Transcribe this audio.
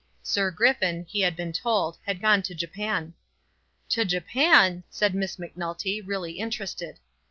Sir Griffin, he had been told, had gone to Japan. "To Japan!" said Miss Macnulty, really interested.